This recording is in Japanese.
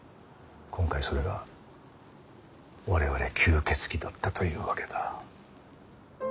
今回それが我々吸血鬼だったというわけだ。